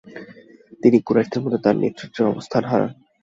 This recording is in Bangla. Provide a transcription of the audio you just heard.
তিনি কুরাইশদের মধ্যে তার নেতৃত্বের অবস্থান হারান।